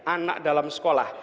anak dalam sekolah